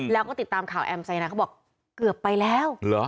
แล้วก็ติดตามข่าวแอมไซนาเขาบอกเกือบไปแล้ว